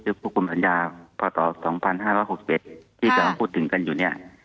คือควบคุมสัญญาพอต่อ๒๕๖๑ที่เราพูดถึงกันอยู่เนี่ย